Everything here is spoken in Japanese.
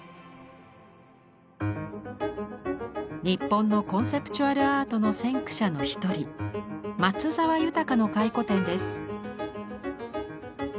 日本のコンセプチュアル・アートの先駆者の一人松澤宥の回顧展です。